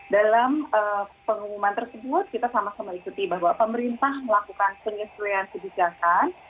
dalam pengumuman tersebut kita sama sama ikuti bahwa pemerintah melakukan penyesuaian kebijakan